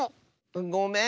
ごめん！